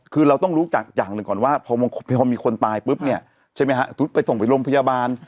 คือเราต้องรู้อย่างหนึ่งก่อนว่าพอมีคนตายปุ๊บไปส่งไปโรงพยาบาล